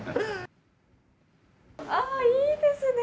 あいいですね。